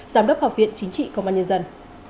giám đốc học viện chính trị công an nhân dân